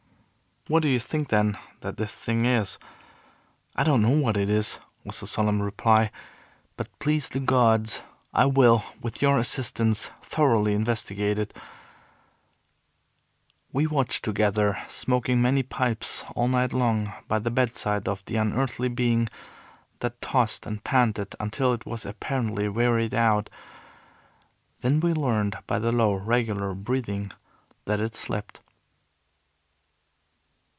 "What? Do you think, then, that this thing is " "I don't know what it is," was the solemn reply; "but please the gods I will, with your assistance, thoroughly investigate it." We watched together, smoking many pipes, all night long, by the bedside of the unearthly being that tossed and panted until it was apparently wearied out. Then we learned by the low, regular breathing that it slept.